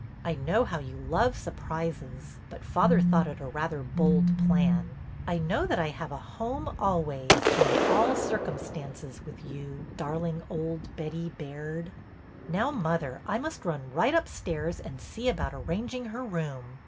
I know how you love surprises, but father thought it rather a bold plan. I know that I have a home always and in all circumstances with you, darling old Betty Baird.' Now, mother, I must run right upstairs and see about arranging her room.